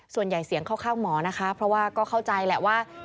ส่วนใหญ่เสียงข้าวข้าวหมอนะคะเพราะว่าก็เข้าใจแหละว่า